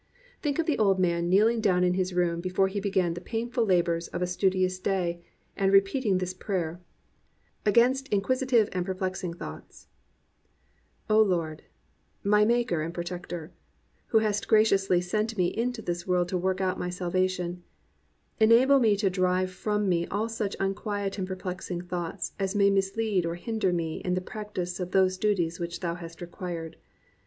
Think of the old man kneeling down in his room before he began the painful labours of a studious day, and repeating this prayer: — "Against inquisitive and perplexing thoughts: O Lord, my Maker and Protector, who hast gra ciously sent me into this world to work out my sal vation, enable me to drive from me all such unquiet and perplexing thoughts as may mislead or hinder me in the practice of those duties which Thou hast required.